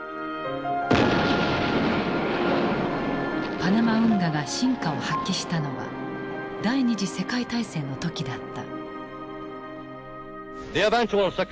パナマ運河が真価を発揮したのは第二次世界大戦の時だった。